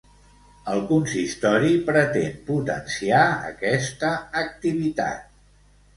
El consistori pretén potenciar aquesta activitat.